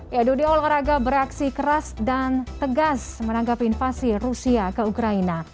ya dunia olahraga bereaksi keras dan tegas menanggapi invasi rusia ke ukraina